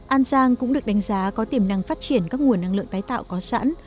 an giang cũng được đánh giá có tiềm năng phát triển các nguồn năng lượng tái tạo có sẵn